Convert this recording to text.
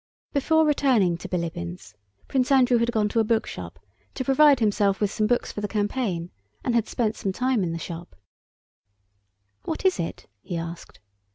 Before returning to Bilíbin's Prince Andrew had gone to a bookshop to provide himself with some books for the campaign, and had spent some time in the shop. "What is it?" he asked.